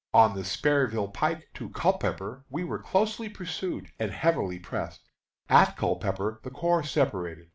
On the Sperryville pike to Culpepper we were closely pursued and heavily pressed. At Culpepper the corps separated.